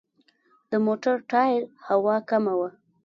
د موټر ټایر هوا کمه وه.